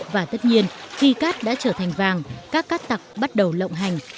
và tất nhiên khi cát đã trở thành vàng các cát tặc bắt đầu lộng hành